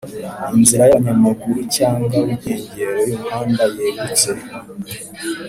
inzira y abanyamaguru cyangwa w inkengero y umuhanda yegutse